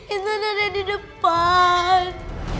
intan ada di depan